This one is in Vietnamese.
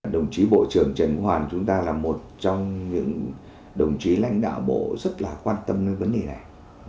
đồng chí bộ trưởng trần quốc hoàn chúng ta là một trong những đồng chí lãnh đạo bộ rất là quan tâm đến vấn đề này